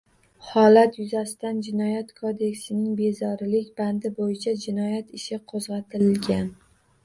Holat yuzasidan Jinoyat kodeksining “bezorilik” bandi bo‘yicha jinoyat ishi qo‘zg‘atilgan